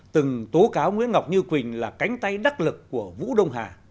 từng tố cáo nguyễn ngọc như quỳnh là cánh tay đắc lực của vũ đông hà